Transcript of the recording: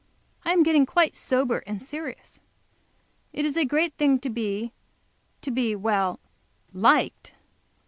I am getting quite sober and serious. It is a great thing to be to be well liked.